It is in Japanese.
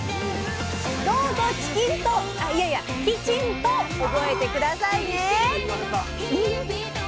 どうぞチキンとあっいやいやきちんと覚えて下さいね！